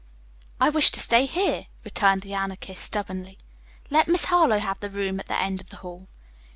"I wish to stay here," returned the Anarchist stubbornly. "Let Miss Harlowe have the room at the end of the hall."